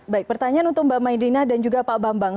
baik pertanyaan untuk mbak maidina dan juga pak bambang